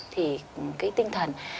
thì cái tinh thần